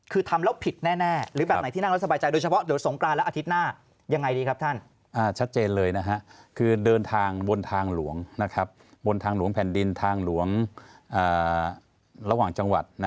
คือเดินทางบนทางหลวงบนทางหลวงแผ่นดินทางหลวงระหว่างจังหวัด